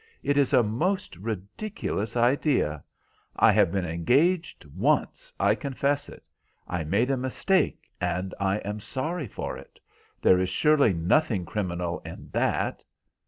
It is a most ridiculous idea. I have been engaged once, I confess it. I made a mistake, and I am sorry for it. There is surely nothing criminal in that."